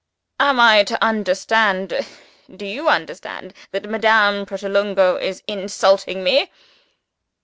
Am I to understand (do you understand) that Madame Pratolungo is insulting me?"